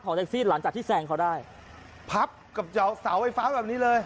ของแท็กซี่หลังจากที่แซงเขาได้พับกับเจ้าเสาไฟฟ้าอย่างนี้เลย